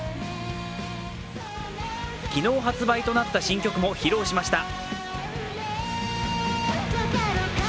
昨日発売となった新曲も披露しました。